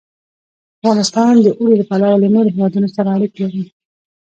افغانستان د اوړي له پلوه له نورو هېوادونو سره اړیکې لري.